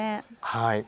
はい。